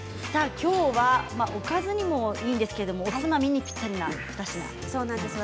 きょうは、おかずにもいいんですけどおつまみにも、ぴったりですね。